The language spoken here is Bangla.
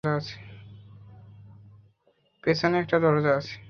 পেছনে একটা দরজা আছে।